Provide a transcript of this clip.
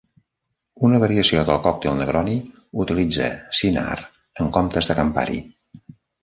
Una variació del còctel Negroni utilitza Cynar en comptes de Campari.